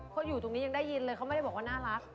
เขาอยู่ตรงนี้ยังได้ยินเลยเขาไม่ได้บอกว่าน่ารัก